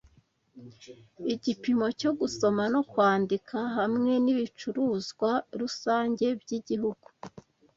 igipimo cyo gusoma no kwandika hamwe n’ibicuruzwa rusange by’igihugu